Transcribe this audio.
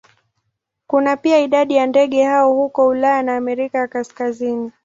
Kuna pia idadi ya ndege hao huko Ulaya na Amerika ya Kaskazini.